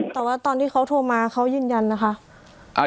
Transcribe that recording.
แต่ว่าตอนที่เขาโทรมาเขายืนยันนะคะ